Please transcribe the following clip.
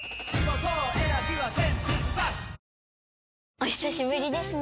お久しぶりですね。